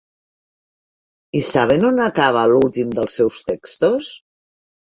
I saben on acaba l'últim dels seus textos?